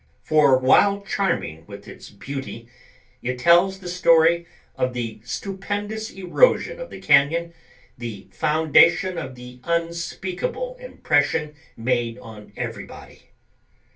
For while charming with its beauty it tells the story of the stupendous erosion of the cañon—the foundation of the unspeakable impression made on everybody.